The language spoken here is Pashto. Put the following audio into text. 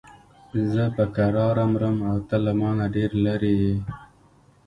زه په کراره مرم او ته له مانه ډېر لرې یې.